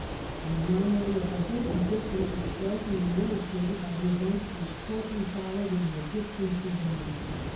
The anomaly of the whole position was strikingly illustrated by The the events which shortly followed in the Egyptian Soudan.